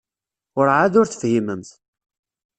Werɛad ur tefhimemt.